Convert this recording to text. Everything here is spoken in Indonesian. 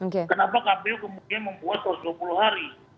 kenapa kpu kemudian membuat satu ratus dua puluh hari